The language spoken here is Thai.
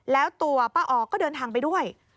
แล้วตัวป้าออก็เดินทางไปด้วย